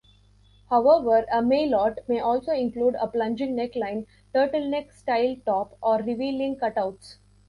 However, a maillot may also include a plunging neckline, turtleneck-style top, or revealing cutouts.